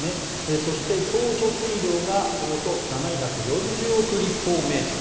そして総貯水量がおよそ７４０億立方メートル。